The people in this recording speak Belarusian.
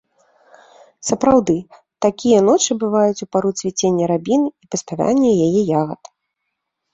Сапраўды, такія ночы бываюць у пару цвіцення рабіны і паспявання яе ягад.